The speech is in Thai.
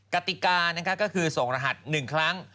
กติกาก็คือส่งรหัส๑ครั้ง